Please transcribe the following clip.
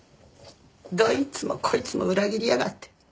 どいつもこいつも裏切りやがって。